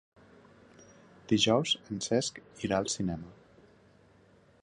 Dijous en Cesc irà al cinema.